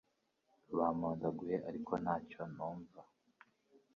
bampondaguye ariko nta cyo numva